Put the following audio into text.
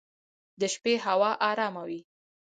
د شپې هوا ارامه وي.